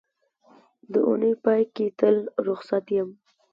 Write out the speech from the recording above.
د اونۍ پای کې تل روخصت یم